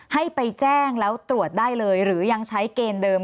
ให้ไปแจ้งแล้วตรวจได้เลยหรือยังใช้เกณฑ์เดิม